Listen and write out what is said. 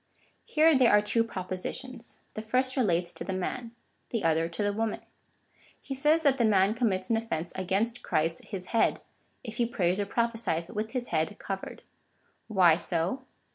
Here there are two propositions. The first relates to the man, the other to the woman. He says that the ma7i commits an offence against Christ his head, if he prays or prophesies with his head covered. Why so